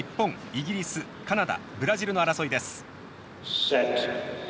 イギリスカナダブラジルの争いです。